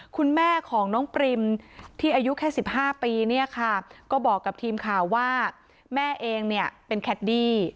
คุณแม่ของน้องปริมที่อายุแค่๑๕ปีเนี่ยค่ะก็บอกกับทีมข่าวว่าแม่เองเนี่ยเป็นแคดดี้